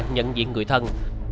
nhận diện người thân